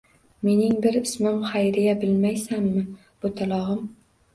Mening bir ismim Xayriya, bilmaysanmi, bo'talog'im.